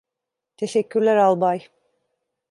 Teşekkürler Albay.